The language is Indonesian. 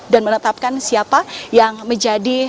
dan menetapkan siapa yang menjadi